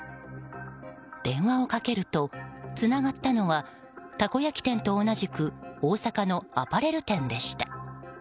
電話をかけると、つながったのはたこ焼き店と同じく大阪のアパレル店でした。